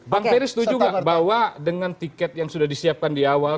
bang ferry setuju nggak bahwa dengan tiket yang sudah disiapkan di awal